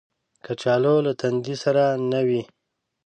کچالو له تندې سره نه وي